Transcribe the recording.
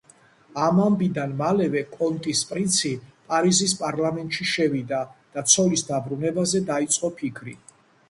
ამ ამბიდან მალევე კონტის პრინცი პარიზის პარლამენტში შევიდა და ცოლის დაბრუნებაზე დაიწყო ფიქრი.